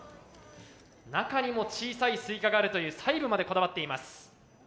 中にも小さいスイカがあるという細部までこだわっています。